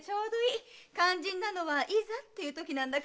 肝心なのは「いざ」っていうときなんだから。